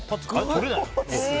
取れない。